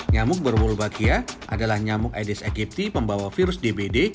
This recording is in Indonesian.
nyamuk berbulbachia adalah nyamuk aedes aegypti pembawa virus dbd